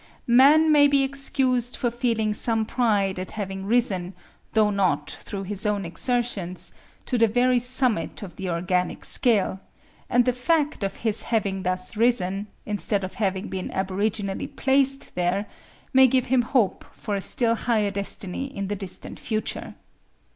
Man may be excused for feeling some pride at having risen, though not through his own exertions, to the very summit of the organic scale; and the fact of his having thus risen, instead of having been aboriginally placed there, may give him hope for a still higher destiny in the distant future.